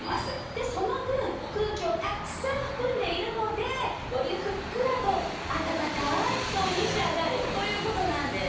でその分空気をたくさん含んでいるのでよりふっくらとあたたかい布団に仕上がるという事なんです。